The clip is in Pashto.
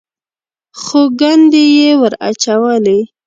خو ګنډې یې ور اچولې.